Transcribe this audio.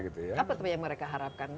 apa yang mereka harapkan